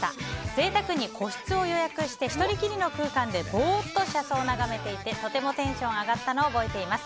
贅沢に個室を予約して１人きりの空間でぼーっと車窓を眺めていてとてもテンションが上がったのを覚えています。